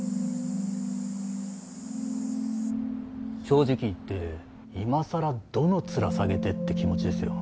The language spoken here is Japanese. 正直言って今更どの面下げてって気持ちですよ